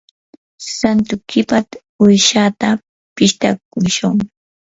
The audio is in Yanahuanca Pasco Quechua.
santuykipaq uushata pishtakushun.